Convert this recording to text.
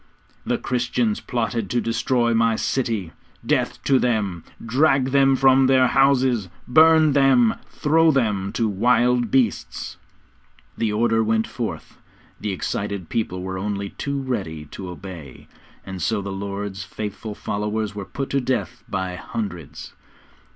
'The Christians plotted to destroy my city death to them! Drag them from their houses, burn them, throw them to wild beasts!' The order went forth, the excited people were only too ready to obey, and so the Lord's faithful followers were put to death by hundreds.